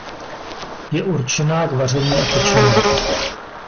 Je určená k vaření a pečení.